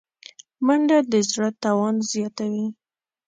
منډه د زړه توان زیاتوي